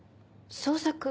捜索？